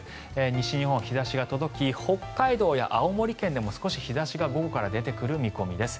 西日本、日差しが届き北海道や青森県でも少し日差しが午後から出てくる見込みです。